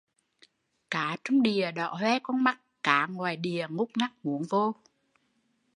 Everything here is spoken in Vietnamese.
Cá trong đìa đỏ hoe con mắt, cá ngoài đìa ngúc ngoắc muốn vô